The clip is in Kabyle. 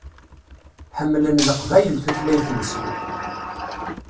Ḥemmlen Leqbayel tutlayt-nsen.